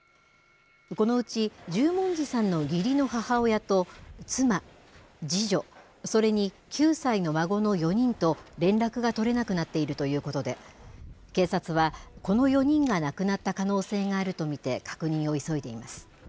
このうち十文字さんの義理の母親と妻、次女それに９歳の孫の４人と連絡が取れなくなっているということで警察はこの４人が亡くなった可能性があると見て確認を急いでいます。